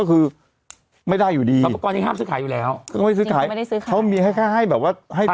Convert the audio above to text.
เมื่อเธอตายมายูก็จะได้